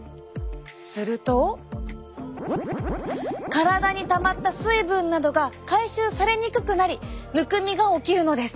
すると体にたまった水分などが回収されにくくなりむくみが起きるのです。